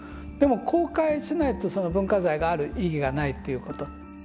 でも公開しないとその文化財がある意義がないっていうこと。